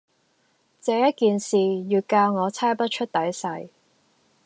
這一件事，越教我猜不出底細。